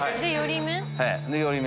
で寄り目。